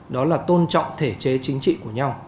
đó là tôn trọng thể chế chính trị của nhau